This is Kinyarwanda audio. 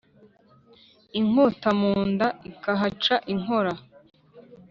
inkota munda ikahaca inkora